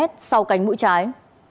sau cánh mũi trái